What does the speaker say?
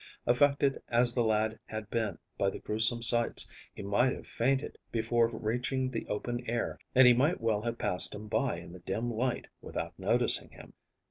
Affected as the lad had been by the grewsome sights, he might have fainted before reaching the open air and he might well have passed him by in the dim light without noticing him.